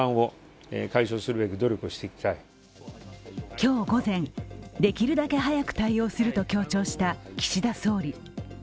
今日午前、できるだけ早く対応すると強調した岸田総理。